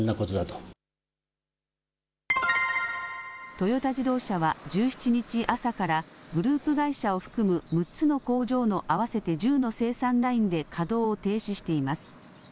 トヨタ自動車は１７日朝からグループ会社を含む６つの工場の合わせて１０の生産ラインで稼働を停止しています。